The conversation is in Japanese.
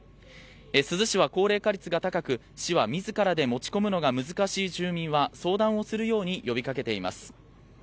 珠洲市は高齢化率が高く、市はみずからで持ち込むのが難しい住民は、相談をするように呼びかけています。